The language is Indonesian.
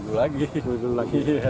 dulu dulu lagi ya